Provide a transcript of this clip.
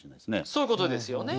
そういうことですよね。